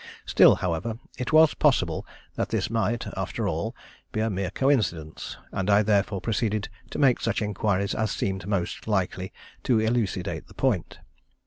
Still, however, it was possible that this might, after all, be a mere coincidence; and I therefore proceeded to make such inquiries as seemed most likely to elucidate the point.